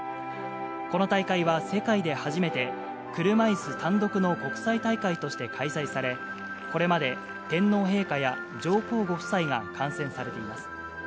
この大会は世界で初めて車いす単独の国際大会として開催され、これまで、天皇陛下や上皇ご夫妻が観戦されています。